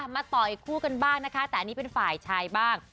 มาต่ออีกคู่กันบ้างนะคะแต่อันนี้เป็นฝ่ายชายบ้าง